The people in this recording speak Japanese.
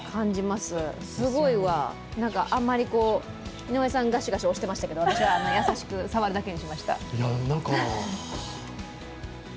すごいわ、井上さん、がしがし押してましたけど私は優しく触るだけにしました。